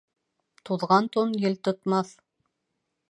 Туҙған тун ел тотмаҫ.